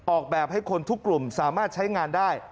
ออกแบบให้คนทุกกลุ่มสามารถใช้งานได้